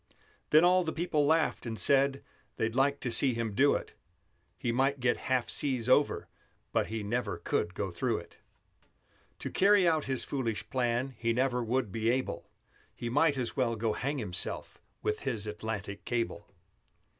Then all the people laughed, and said They'd like to see him do it; He might get half seas over, but He never could go through it. To carry out his foolish plan He never would be able; He might as well go hang himself With his Atlantic Cable.